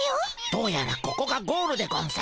どうやらここがゴールでゴンス。